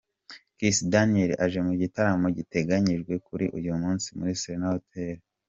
Kiss Daniel aje mu gitaramo giteganyijwe kuri uyu munsi muri Serena Hotel.